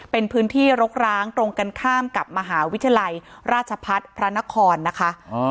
เป็นพื้นที่รกร้างตรงกันข้ามกับมหาวิทยาลัยราชพัฒน์พระนครนะคะ